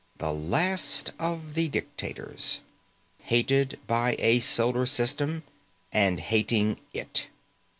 The last of the dictators. Hated by a solar system, and hating it.